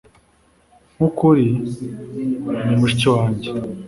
Nkukuri, ni mushiki wanjye.